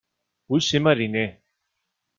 Vull ser mariner!